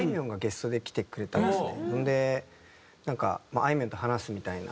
それでなんかあいみょんと話すみたいな。